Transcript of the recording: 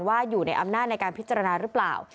ว่าอยู่ในอำนาจในการพิจารณาหรือเปล่า